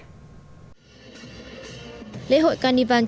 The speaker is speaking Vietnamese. lễ hội calivan truyền thống liên bang mỹ